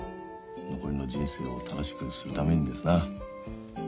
残りの人生を楽しくするためにですな。